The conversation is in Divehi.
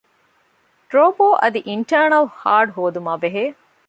ޑްރޯބޯ އަދި އިންޓާރނަލް ހާޑް ހޯދުމާބެހޭ